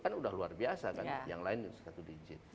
kan udah luar biasa kan yang lain satu digit